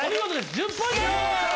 １０ポイント獲得。